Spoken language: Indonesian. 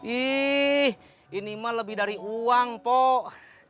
ih ini mah lebih dari uang po